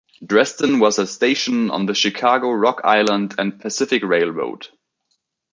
Dresden was a station on the Chicago, Rock Island and Pacific Railroad.